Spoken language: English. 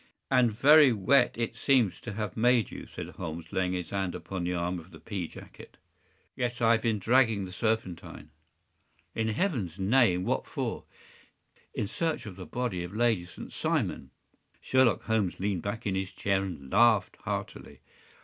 ” “And very wet it seems to have made you,” said Holmes, laying his hand upon the arm of the pea jacket. “Yes, I have been dragging the Serpentine.” “In Heaven’s name, what for?” “In search of the body of Lady St. Simon.” Sherlock Holmes leaned back in his chair and laughed heartily.